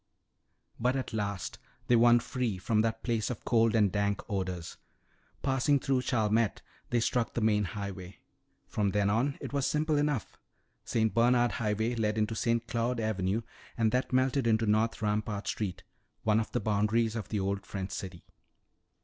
But at last they won free from that place of cold and dank odors. Passing through Chalmette, they struck the main highway. From then on it was simple enough. St. Bernard Highway led into St. Claude Avenue and that melted into North Rampart street, one of the boundaries of the old French city.